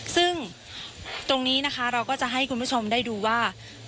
ซึ่งตรงนี้นะคะเราก็จะให้คุณผู้ชมได้ดูว่า